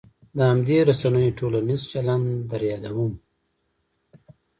د همدې رسنیو ټولنیز چلن در یادوم.